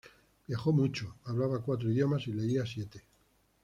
Viajó mucho, hablaba cuatro idiomas y leía siete.